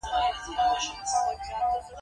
تر معاش د ډېر کار ګټه.